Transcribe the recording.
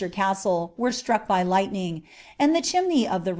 Oaaila were struck by lightning, and the cliimney of tin r